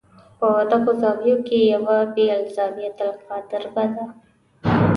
په دغو زاویو کې یوه یې الزاویة القادربه ده.